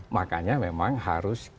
makanya memang harus kita berpengaruh